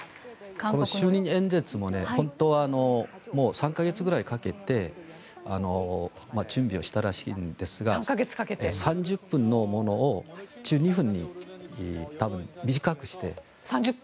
この就任演説も本当はもう３か月ぐらいかけて準備をしたらしいんですが３０分のものを１２分に短くして。